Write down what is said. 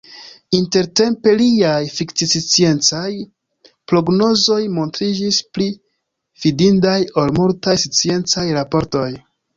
Intertempe, liaj fikcisciencaj prognozoj montriĝis pli fidindaj ol multaj sciencaj raportoj.